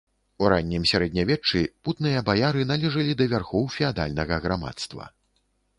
У раннім сярэднявеччы путныя баяры належалі да вярхоў феадальнага грамадства.